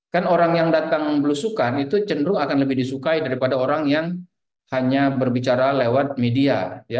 kan orang yang datang belusukan itu cenderung akan lebih disukai daripada orang yang hanya berbicara lewat media